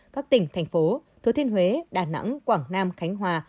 các tỉnh thành phố thứa thiên huế đà nẵng quảng nam khánh hòa